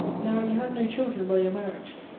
Now, you had no children by your marriage; M.